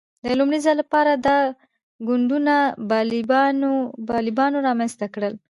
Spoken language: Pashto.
د لومړي ځل لپاره دا کوډونه بابلیانو رامنځته کړل.